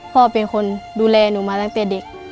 พ่อเป็นคนดูแลหนูมาตั้งแต่เด็ก